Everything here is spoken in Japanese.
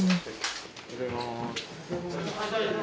おはようございます。